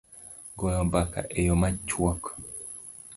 goyo mbaka e yo machuok